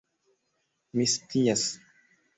Mi scias.